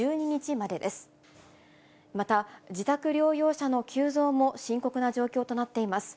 また、自宅療養者の急増も深刻な状況となっています。